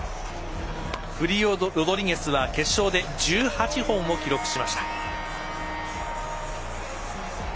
フリオ・ロドリゲスは決勝で１８本を記録しました。